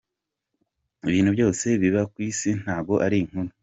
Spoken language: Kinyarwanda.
Ibintu byose biba kwisi ntago ari inkuru.